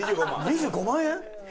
２５万円！？